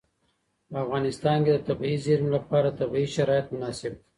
په افغانستان کې د طبیعي زیرمې لپاره طبیعي شرایط مناسب دي.